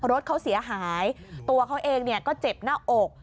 รถเขาเสียหายตัวเขาเองก็เจ็บหน้าอก